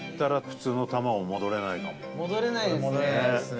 前田：戻れないですね。